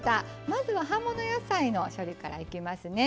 まずは葉物野菜の処理からいきますね。